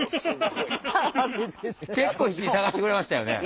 結構必死に探してくれましたよね。